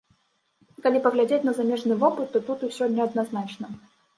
Калі паглядзець на замежны вопыт, то тут усё неадназначна.